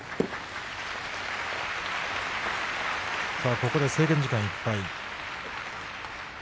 ここで制限時間いっぱい。